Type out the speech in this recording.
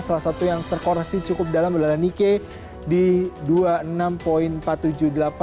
salah satu yang terkorasi cukup dalam adalah nike di dua puluh enam empat ratus tujuh puluh delapan